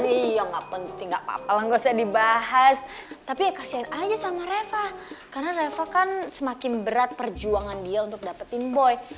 iya nggak penting gak apa apa lah nggak usah dibahas tapi ya kasihan aja sama reva karena reva kan semakin berat perjuangan dia untuk dapetin boy